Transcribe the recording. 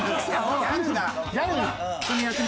ギャルに。